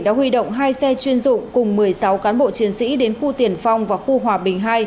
đã huy động hai xe chuyên dụng cùng một mươi sáu cán bộ chiến sĩ đến khu tiền phong và khu hòa bình hai